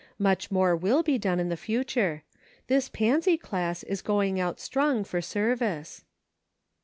Much more will be done in the future. This Pansy Class is going out strong for service."